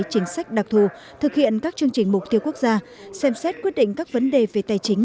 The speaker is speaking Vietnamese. chính sách đặc thù thực hiện các chương trình mục tiêu quốc gia xem xét quyết định các vấn đề về tài chính